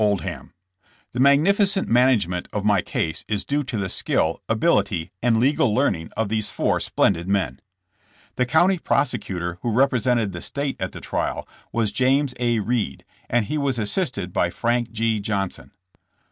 Oldham. The magnificent management of my case is due to the skill, ability and legal learning of these four splendid men. The county prosecutor who represented the state at the trial was James A. Eeed, and he was assisted by Frank G. Johnson.